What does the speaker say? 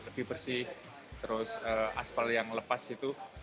lebih bersih terus aspal yang lepas itu